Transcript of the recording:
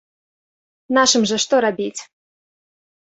Нашым жа што рабіць?